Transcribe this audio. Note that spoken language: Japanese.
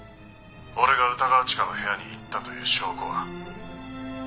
「俺が歌川チカの部屋に行ったという証拠は？」